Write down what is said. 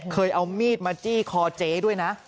เคยเอามีดมาจี้คอเจ๊ด้วยนะ